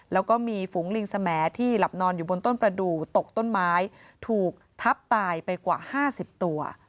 แล้วก็มีฝูงลิงสมที่หลับนอนอยู่บนต้นประดูตกต้นไม้ถูกทับตายไปกว่า๕๐ตัว